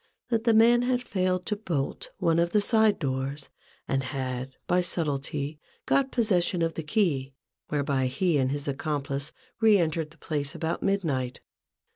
that the man had failed to bolt one of the side doors, and had, by subtilty, got possession of the key, whereby he and his accomplice re entered the place about midnight.